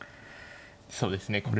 そうですね